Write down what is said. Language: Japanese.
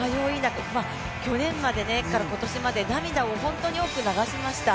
去年から今年まで涙を本当に多く流しました。